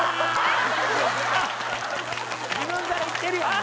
「自分から行ってるよな」